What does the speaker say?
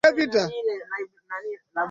Kaa na taifa la Kenya